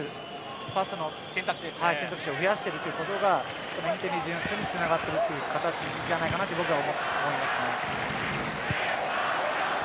パスの選択肢を増やしているということがインテリジェンスにつながっている形じゃないかなと僕は思いますね。